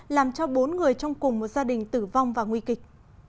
làm cho bốn người trong cùng một gia đình tử vong và nguy kịch